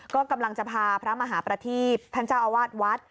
ก็กำลังจะพาพระมหาประทีบท่านเจ้าอาวาสวัด